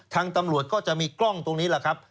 ทางตำรวจก็จะมีกล้องตรงนี้แหละครับ